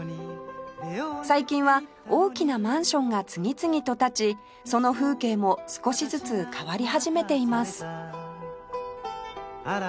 最近は大きなマンションが次々と建ちその風景も少しずつ変わり始めています